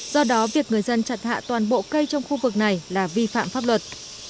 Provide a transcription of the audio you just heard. do đó việc người dân chặt hạ toàn bộ cây trong khu vực này là vi phạm pháp luật